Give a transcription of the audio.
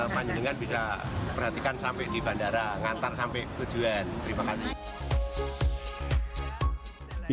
panjenengan bisa perhatikan sampai di bandara ngantar sampai tujuan terima kasih